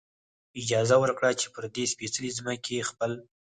اجازه ورکړه، چې پر دې سپېڅلې ځمکې خپل.